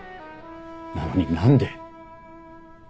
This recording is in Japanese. なのに何で。